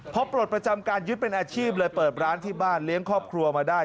พอปลดประจำการยึดเป็นอาชีพเลยเปิดร้านที่บ้านเลี้ยงครอบครัวมาได้